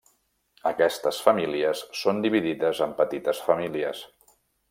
Aquestes famílies són dividides en petites famílies.